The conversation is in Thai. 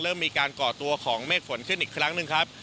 เริ่มมีการก่อตัวของเมฆฝนขึ้นอีกครั้งหนึ่งครับ